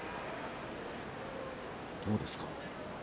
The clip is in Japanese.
どうですか？